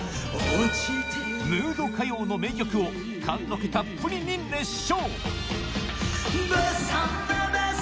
ムード歌謡の名曲を貫禄たっぷりに熱唱